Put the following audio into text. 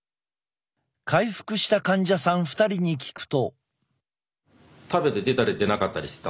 回復した患者さん２人に聞くと。